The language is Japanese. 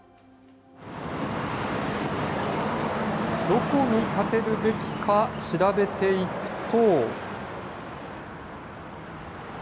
どこに立てるべきか調べていくと。